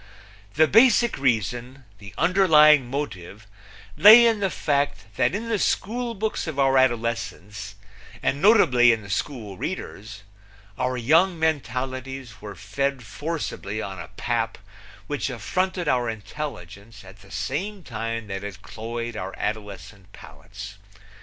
The basic reason, the underlying motive, lay in the fact that in the schoolbooks of our adolescence, and notably in the school readers, our young mentalities were fed forcibly on a pap which affronted our intelligence at the same time that it cloyed our adolescent palates.